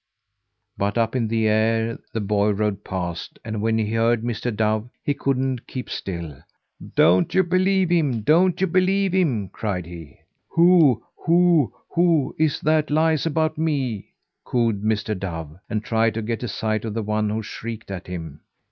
But up in the air the boy rode past, and when he heard Mr. Dove he couldn't keep still. "Don't you believe him! Don't you believe him!" cried he. "Who, who, who is it that lies about me?" cooed Mr. Dove, and tried to get a sight of the one who shrieked at him.